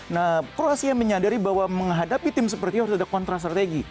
nah kroasia menyadari bahwa menghadapi tim seperti itu harus ada kontra strategi